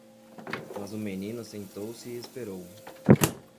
Mas o menino sentou-se e esperou.